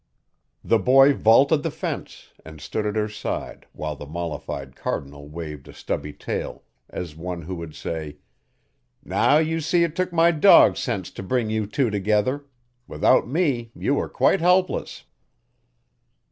The boy vaulted the fence and stood at her side while the mollified Cardinal waved a stubby tail, as one who would say "Now you see it took my dog sense to bring you two together. Without me you were quite helpless."